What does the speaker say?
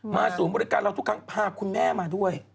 ศูนย์บริการเราทุกครั้งพาคุณแม่มาด้วย